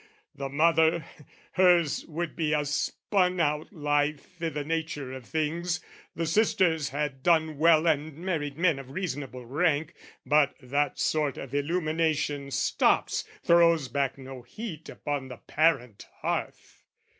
The mother, hers would be a spun out life I' the nature of things; the sisters had done well And married men of reasonable rank: But that sort of illumination stops, Throws back no heat upon the parent hearth.